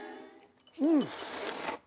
うん。